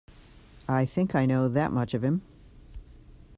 I think I know that much of him.